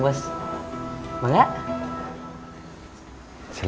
nunggu aja kan